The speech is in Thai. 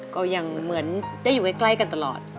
ก็ยังเหมือนได้อยู่ใกล้กันตลอด